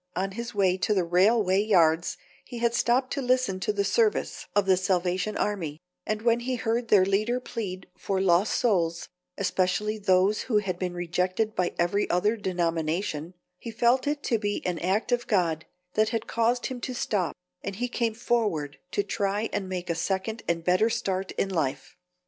On his way to the railway yards he had stopped to listen to the service of the Salvation Army, and when he heard their leader plead for lost souls, especially those who had been rejected by every other denomination, he felt it to be an act of God that had caused him to stop, and he came forward to try and make a second and better start in life.